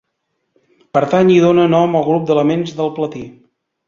Pertany i dóna nom al grup d'elements del platí.